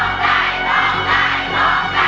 ร้องได้ร้องได้